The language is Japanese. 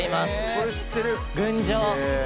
「これ知ってる」「『群青』」